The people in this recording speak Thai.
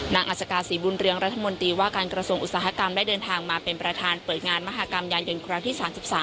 อัศกาศรีบุญเรืองรัฐมนตรีว่าการกระทรวงอุตสาหกรรมได้เดินทางมาเป็นประธานเปิดงานมหากรรมยานยนต์ครั้งที่๓๓